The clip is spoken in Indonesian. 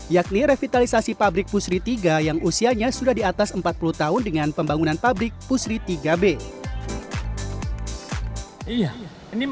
yakni revitalisasi pabrik pusri tiga yang usianya sudah di atas empat puluh tahun dengan pembangunan pabrik pusri tiga b